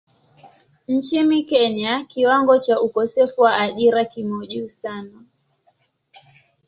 Nchini Kenya kiwango cha ukosefu wa ajira kimo juu sana.